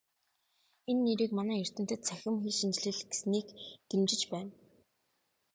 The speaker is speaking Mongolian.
Энэ нэрийг манай эрдэмтэд "Цахим хэлшинжлэл" гэснийг дэмжиж байна.